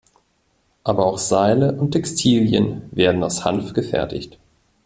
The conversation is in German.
Aber auch Seile und Textilien werden aus Hanf gefertigt.